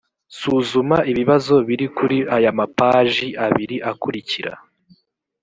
suzuma ibibazo biri kuri aya mapaji abiri akurikira